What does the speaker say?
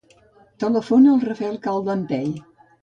Telefona al Rafael Caldentey.